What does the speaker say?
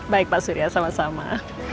baik pak surya sama sama